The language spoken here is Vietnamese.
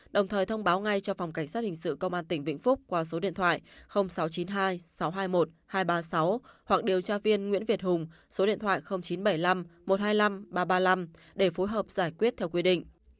đồng thời thông báo ngay cho phòng cảnh sát hình sự công an tỉnh vĩnh phúc qua số điện thoại sáu trăm chín mươi hai sáu trăm hai mươi một hai trăm ba mươi sáu hoặc điều tra viên nguyễn việt hùng số điện thoại chín trăm bảy mươi năm một trăm hai mươi năm ba trăm ba mươi năm để phối hợp giải quyết theo quy định